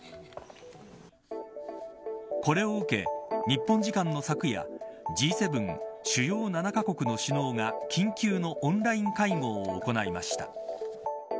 これを受け日本時間の昨夜Ｇ７主要７カ国の首脳が緊急のオンライン会合を行いました。